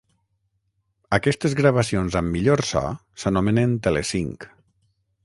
Aquestes gravacions amb millor so s'anomenen "telesync".